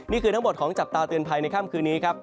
นี่คือทั้งหมดของจับตาเตือนภัยในค่ำคืนนี้ครับ